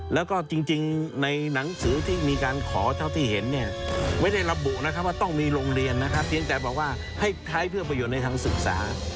ต้องมีโรงเรียนนะครับเพียงแต่บอกว่าให้ท้ายเพื่อประโยชน์ในทางศึกษา